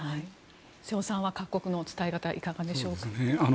瀬尾さんは各国の伝え方いかがでしょうか。